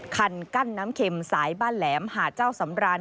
คันกั้นน้ำเข็มสายบ้านแหลมหาดเจ้าสำราน